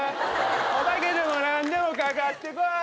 お化けでも何でもかかってこい。